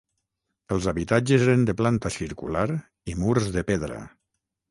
Els habitatges eren de planta circular i murs de pedra.